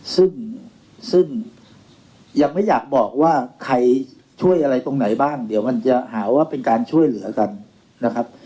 ซึ่งซึ่งยังไม่อยากบอกว่าใครช่วยอะไรตรงไหนบ้างเดี๋ยวมันจะหาว่าเป็นการช่วยเหลือกันนะครับ